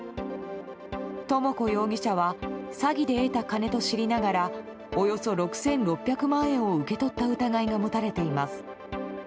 智子容疑者は詐欺で得た金と知りながらおよそ６６００万円を受け取った疑いが持たれています。